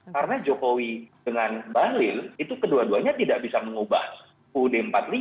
karena jokowi dengan balil itu kedua duanya tidak bisa mengubah ud empat puluh lima